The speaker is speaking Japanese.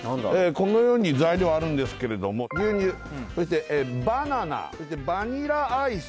このように材料あるんですけれども牛乳そしてバナナそしてバニラアイス